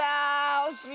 おしい。